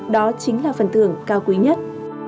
đó chính là phần thưởng cao quý nhất